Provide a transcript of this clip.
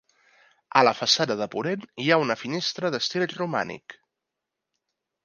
A la façana de ponent hi ha una finestra d'estil romànic.